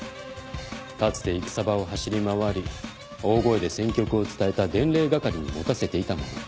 かつて戦場を走り回り大声で戦局を伝えた伝令係に持たせていたもの。